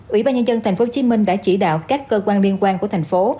ủy ban nhân dân tp hcm đã chỉ đạo các cơ quan liên quan của thành phố